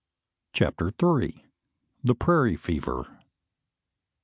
CHAPTER THREE. THE PRAIRIE FEVER.